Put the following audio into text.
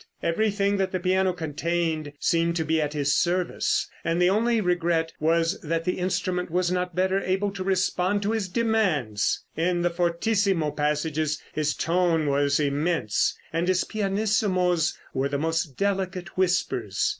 Everything that the piano contained seemed to be at his service, and the only regret was that the instrument was not better able to respond to his demand. In the fortissimo passages his tone was immense, and his pianissimos were the most delicate whispers.